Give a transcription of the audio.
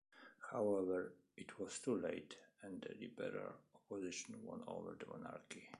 However, it was too late, and the liberal opposition won over the monarchy.